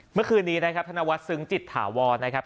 เมื่อคืนนี้นะครับธนวัฒนซึ้งจิตถาวรนะครับ